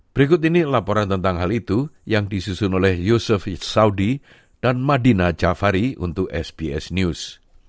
berikut ini laporan tentang hal itu yang disusun oleh yusuf saudi dan madina jafari untuk sbs news